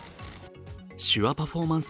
手話パフォーマンス